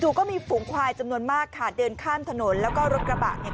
ก็มีฝูงควายจำนวนมากค่ะเดินข้ามถนนแล้วก็รถกระบะเนี่ย